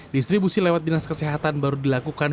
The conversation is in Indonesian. distribusi lewat dinas kesehatan baru dilakukan